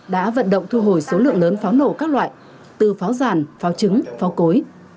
đã vận động thu hồi số lượng lớn pháo nổ các loại từ pháo ràn pháo trứng pháo cối